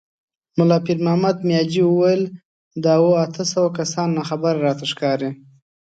ملا پيرمحمد مياجي وويل: دا اووه، اته سوه کسان ناخبره راته ښکاري.